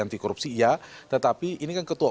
anti korupsi iya tetapi ini kan ketua